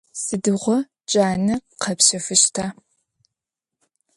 Сыдигъо джанэ къэпщэфыщта?